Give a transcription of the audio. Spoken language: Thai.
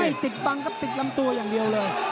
ติดบังครับติดลำตัวอย่างเดียวเลย